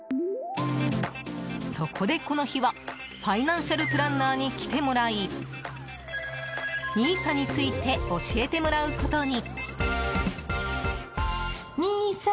そこで、この日はファイナンシャルプランナーに来てもらいＮＩＳＡについて教えてもらうことに。